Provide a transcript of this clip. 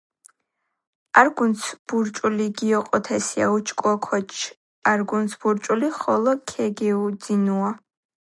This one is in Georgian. არგუნცჷ ბურჭული გიოჸოთესია.უჭკუო კოჩქ არგუნს ბურჭული ხოლო ქეგეუძინუა.